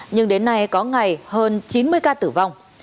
nhưng đến nay có ngày hơn chín mươi ca tử vong